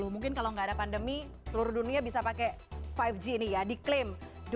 dua ribu dua puluh mungkin kalau enggak ada pandemi seluruh dunia bisa pakai lima g ini ya diklaim dua ribu dua puluh